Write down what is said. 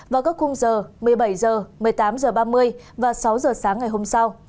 vào các khung giờ một mươi bảy h một mươi tám h ba mươi và sáu h sáng ngày hôm sau